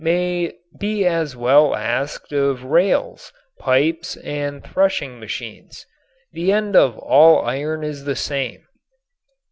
may be as well asked of rails, pipes and threshing machines. The end of all iron is the same.